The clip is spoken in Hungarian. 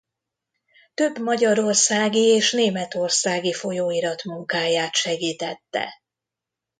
Több magyarországi és németországi folyóirat munkáját segítette.